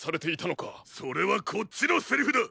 それはこっちのセリフだ！